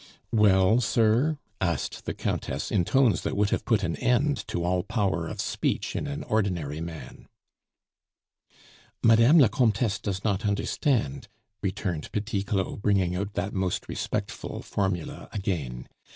"Well, sir?" asked the Countess, in tones that would have put an end to all power of speech in an ordinary man. "Mme. la Comtesse does not understand," returned Petit Claud, bringing out that most respectful formula again.